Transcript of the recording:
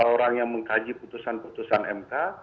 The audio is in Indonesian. orang yang mengkaji putusan putusan mk